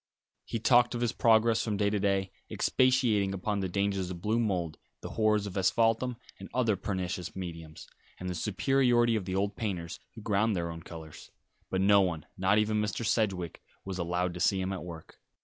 He talked of his progress from day to day, expatiating upon the dangers of blue mould, the horrors of asphaltum and other pernicious mediums, and the superiority of the old painters, who ground their own colours; but no one, not even Mr. Sedgewick, was allowed to see him at work.